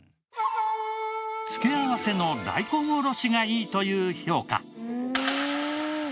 付け合わせの大根おろしがいいという評価。